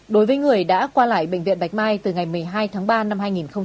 đối với người đã qua lại bệnh viện bạch mai từ ngày một mươi hai tháng ba năm hai nghìn hai mươi